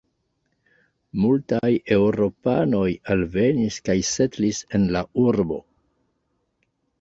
Multaj eŭropanoj alvenis kaj setlis en la urbo.